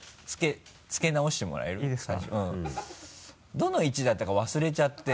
どの位置だったか忘れちゃって。